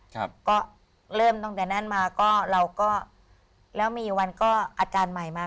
ครับก็เริ่มตั้งแต่นั้นมาก็เราก็แล้วมีวันก็อาจารย์ใหม่มา